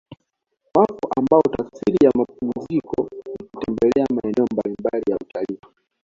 Wapo ambao tafsiri ya mapumziko ni kutembelea maeneo mbalimbali ya utalii